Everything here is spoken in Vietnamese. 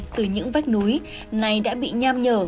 từ những vách núi này đã bị nham nhở